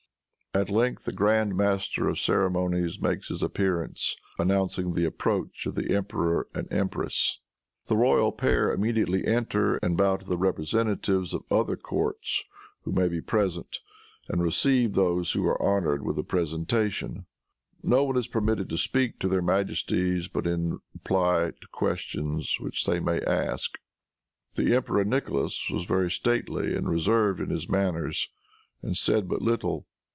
At length the grand master of ceremonies makes his appearance announcing the approach of the emperor and empress. The royal pair immediately enter, and bow to the representatives of other courts who may be present, and receive those who are honored with a presentation. No one is permitted to speak to their majesties but in reply to questions which they may ask. The Emperor Nicholas was very stately and reserved in his manners, and said but little.